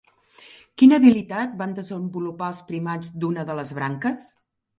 Quina habilitat van desenvolupar els primats d'una de les branques?